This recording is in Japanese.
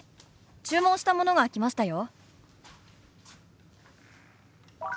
注文したものが来ましたよ」。